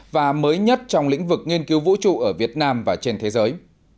và mới nhất trong lĩnh vực nghiên cứu vũ trụ ở việt nam và trên thế giới